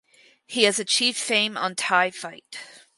He has achieved fame on Thai Fight.